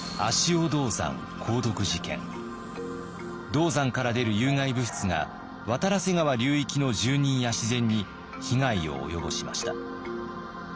銅山から出る有害物質が渡良瀬川流域の住人や自然に被害を及ぼしました。